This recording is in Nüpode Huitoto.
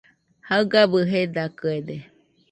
Jaɨgabɨ jedakɨede